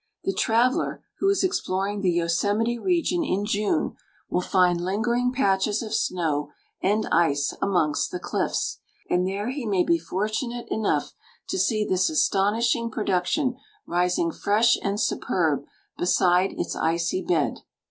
The traveller who is exploring the Yosemite region in June will find lingering patches of snow and ice amongst the cliffs, and there he may be fortunate enough to see this astonishing production rising fresh and superb beside its icy bed.